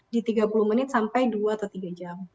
di tiga puluh menit sampai dua atau tiga jam